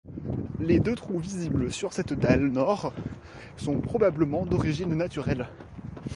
Les deux trous visibles sur cette dalle nord sont probablement d'origine naturelle.